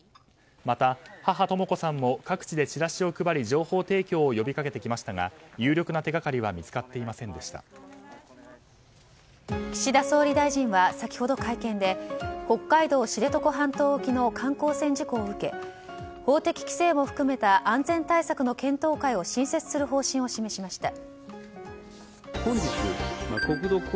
また、母とも子さんも各地でちらしを配り情報提供を呼び掛けてきましたが有力な手掛かりは岸田総理大臣は先ほど会見で北海道知床半島沖の観光船事故を受け法的規制を含めた安全対策の検討会を新設する方針を示しました。